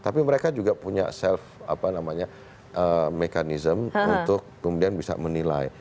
tapi mereka juga punya self apa namanya mekanisme untuk kemudian bisa menilai